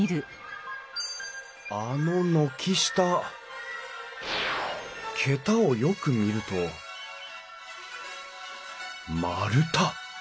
あの軒下桁をよく見ると丸太。